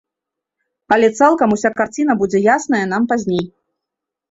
Але цалкам уся карціна будзе ясная нам пазней.